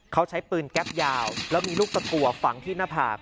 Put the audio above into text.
เขาใช้ปืนแก๊ปยาวแล้วมีลูกตะกัวฝังที่หน้าผาก